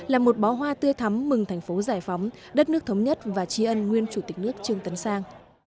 là một bó hoa tươi thắm mừng thành phố giải phóng đất nước thống nhất và tri ân nguyên chủ tịch nước trương tấn sang